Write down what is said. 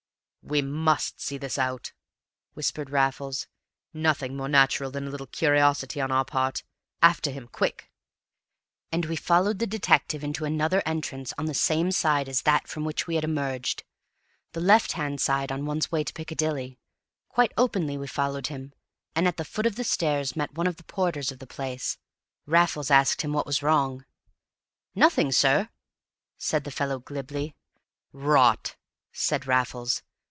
"We must see this out," whispered Raffles. "Nothing more natural than a little curiosity on our part. After him, quick!" And we followed the detective into another entrance on the same side as that from which we had emerged, the left hand side on one's way to Piccadilly; quite openly we followed him, and at the foot of the stairs met one of the porters of the place. Raffles asked him what was wrong. "Nothing, sir," said the fellow glibly. "Rot!" said Raffles.